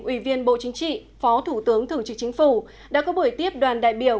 ủy viên bộ chính trị phó thủ tướng thường trực chính phủ đã có buổi tiếp đoàn đại biểu